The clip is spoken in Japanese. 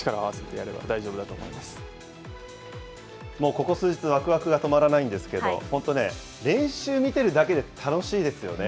ここ数日、わくわくが止まらないんですけど、本当ね、練習見てるだけで楽しいですよね。